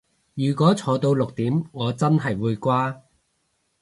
如果坐到六點我真係會瓜